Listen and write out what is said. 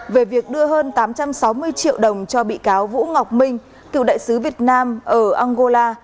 về việc đưa hơn tám trăm sáu mươi triệu đồng cho bị cáo vũ ngọc minh cựu đại sứ việt nam ở angola